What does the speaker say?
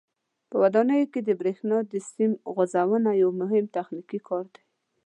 په ودانیو کې د برېښنا د سیم غځونه یو مهم تخنیکي کار دی.